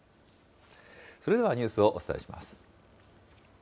それではニュースをお伝えします。